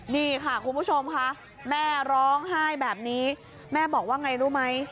นี่ค่ะคุณผู้ชมค่ะแม่ร้องไห้แบบนี้แม่บอกว่าไงรู้ไหม